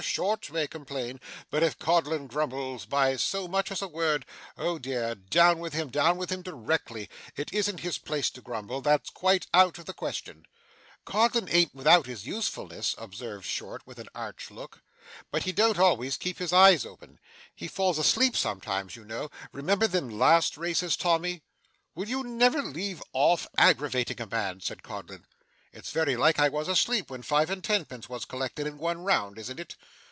Short may complain, but if Codlin grumbles by so much as a word oh dear, down with him, down with him directly. It isn't his place to grumble. That's quite out of the question.' 'Codlin an't without his usefulness,' observed Short with an arch look, 'but he don't always keep his eyes open. He falls asleep sometimes, you know. Remember them last races, Tommy.' 'Will you never leave off aggravating a man?' said Codlin. 'It's very like I was asleep when five and tenpence was collected, in one round, isn't it?